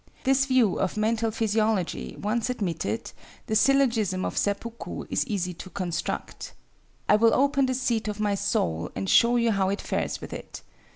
This view of mental physiology once admitted, the syllogism of seppuku is easy to construct. "I will open the seat of my soul and show you how it fares with it.